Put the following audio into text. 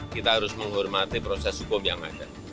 kita harus menghormati proses hukum yang ada